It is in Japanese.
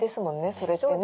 それってね。